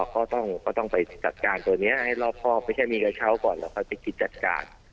ก็ต้องไปจัดการตัวเนี่ยให้รอบพรอบเอาแล้วก็ไปการแพลงงานจัดการ